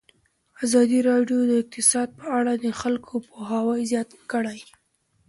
ازادي راډیو د اقتصاد په اړه د خلکو پوهاوی زیات کړی.